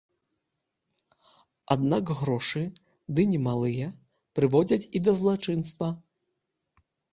Аднак грошы, ды немалыя, прыводзяць і да злачынства.